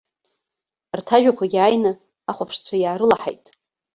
Арҭ ажәақәагьы ааины ахәаԥшцәа иаарылаҳаит.